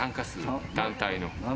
団体の。